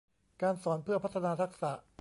การสอนเพื่อพัฒนาทักษะ